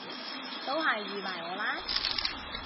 都係預埋我啦！